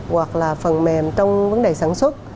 hoặc là phần mềm trong vấn đề sản xuất